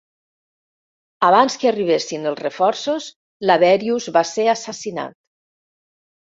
Abans que arribessin els reforços, Laberius va ser assassinat.